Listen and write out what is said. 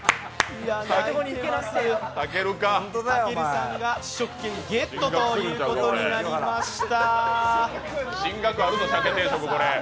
たけるさんが試食権ゲットということになりました。